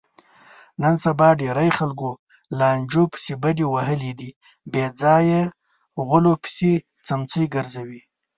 نن سبا ډېری خلکو لانجو پسې بډې وهلي دي، بېځایه غولو پسې څمڅې ګرځوي.